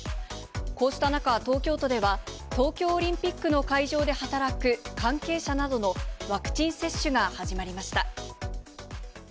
こうした中、東京都では、東京オリンピックの会場で働く関係者などのワクチン接種が始まりました。